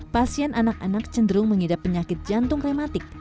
pasien anak anak cenderung mengidap penyakit jantung reumatik